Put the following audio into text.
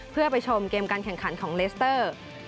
เพื่อไปชมเกมการแข่งขันของเลสเตอร์